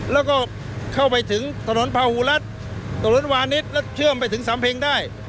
แล้วก็เข้าไปถึงถนนพาหูรัฐถนนวานิสแล้วเชื่อมไปถึงสำเพ็งได้